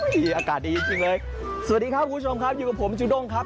ดีอากาศดีจริงเลยสวัสดีครับคุณผู้ชมครับอยู่กับผมจูด้งครับ